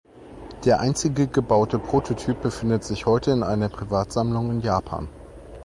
Der einzige gebaute Prototyp befindet sich heute in einer Privatsammlung in Japan.